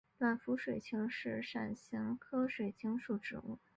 短辐水芹是伞形科水芹属的植物。